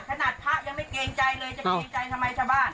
พระยังไม่เกรงใจเลยจะเกรงใจทำไมชาวบ้าน